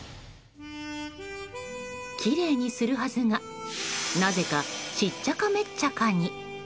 きれいにするはずが、なぜかしっちゃかめっちゃかに。